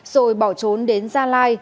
rồi bỏ trốn đến gia lai